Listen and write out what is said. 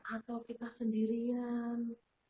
atau kita sendirian